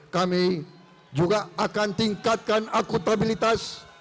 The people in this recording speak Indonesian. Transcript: kami juga akan tingkatkan akutabilitas